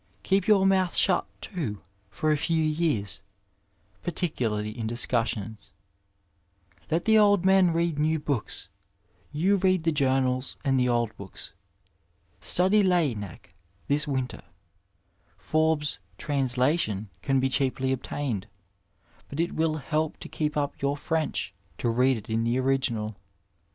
Keep your mouth shut too, for a few years, particularly in discussions. Let the old men read new books ; you read the journals Digitized by VjOOQIC mTERNAL MEDICINE AS A VOCATION and the old books. Stadj LaSnnec this winter ; Forbes's Translation can be cbeaplj obtained, but it will help to keep up youi French to read it in the original.